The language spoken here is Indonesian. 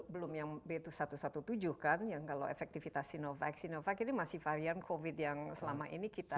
belum yang b dua satu tujuh kan yang kalau efektivitas sinovac sinovac ini masih varian covid yang selama ini kita